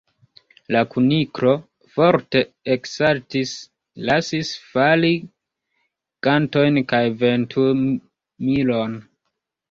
La Kuniklo forte eksaltis, lasis fali gantojn kaj ventumilon.